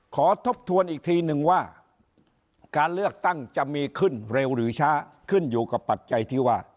ทบทวนอีกทีนึงว่าการเลือกตั้งจะมีขึ้นเร็วหรือช้าขึ้นอยู่กับปัจจัยที่ว่า